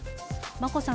眞子さーん！